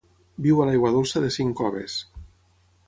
Viu a l'aigua dolça de cinc coves.